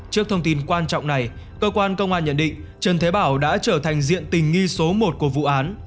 trước thông tin quan trọng này cơ quan công an nhận định trần thế bảo đã trở thành diện tình nghi số một của vụ án